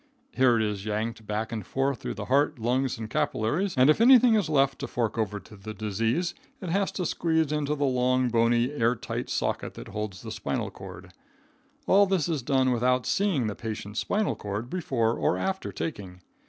Here it is yanked back and forth through the heart, lungs and capillaries, and if anything is left to fork over to the disease, it has to squeeze into the long, bony, air tight socket that holds the spinal cord. All this is done without seeing the patient's spinal cord before or after taking.